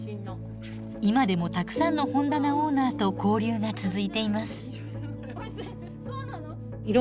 今でもたくさんの本棚オーナーと交流が続いています。